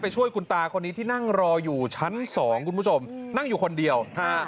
ช่วยคุณตาคนนี้ที่นั่งรออยู่ชั้นสองคุณผู้ชมนั่งอยู่คนเดียวฮะ